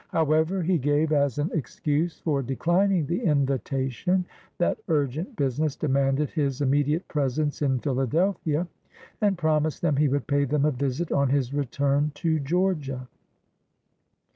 However, he gave, as an excuse for declining the invitation, that urgent business demanded his immediate presence in Philadelphia, and promised them he would pay them a visit on his return to Georgia.